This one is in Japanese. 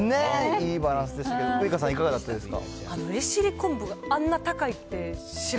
いいバランスですけど、ウイカさん、いかがだったですか。